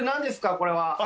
これは。